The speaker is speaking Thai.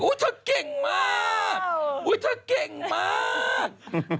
เธอเก่งมากอุ๊ยเธอเก่งมาก